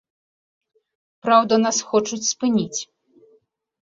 Праўда, нас хочуць спыніць.